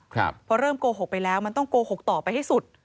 เพราะเริ่มโกหกไปแล้วมันต้องโกหกต่อไปให้สุด